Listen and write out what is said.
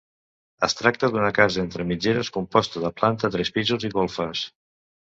Es tracta d'una casa entre mitgeres composta de planta, tres pisos i golfes.